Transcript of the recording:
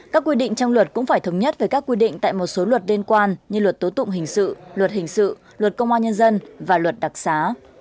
các quy định trong luật cũng phải thống nhất với các quy định tại một số luật liên quan như luật tố tụng hình sự luật hình sự luật công an nhân dân và luật đặc xá